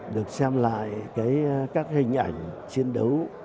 được xem lại các hình ảnh chiến đấu